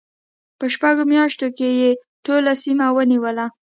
په شپږو میاشتو کې یې ټوله سیمه ونیوله.